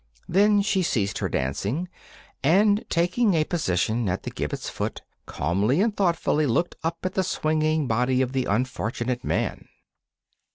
Then she ceased her dancing, and, taking a position at the gibbet's foot, calmly and thoughtfully looked up at the swinging body of the unfortunate man.